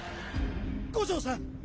五条さん！